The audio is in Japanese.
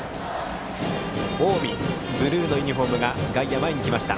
近江ブルーのユニフォームが外野、前に来ました。